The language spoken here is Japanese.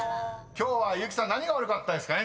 ［今日は結木さん何が悪かったですかね？